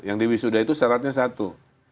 yang diwisuda itu syaratnya satu